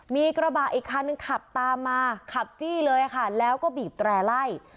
มีกระบะอีกคันหนึ่งขับตามมาขับจี้เลยค่ะแล้วก็บีบแตร่ไล่